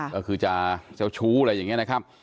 ก็คือจะเจ้าชู้อะไรอย่างนี้นะครับ